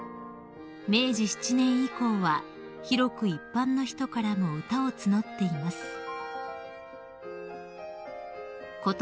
［明治７年以降は広く一般の人からも歌を募っています］